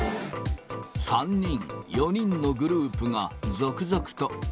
３人、４人のグループが続々と。